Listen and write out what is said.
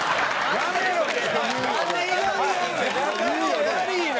やめろや。